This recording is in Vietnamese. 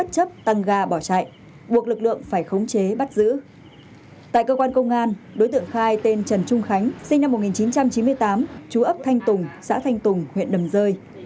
tại cơ quan công an đối tượng khai tên trần trung khánh sinh năm một nghìn chín trăm chín mươi tám chú ấp thanh tùng xã thanh tùng huyện đầm rơi